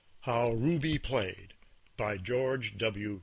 HOW "RUBY" PLAYED BY GEORGE W.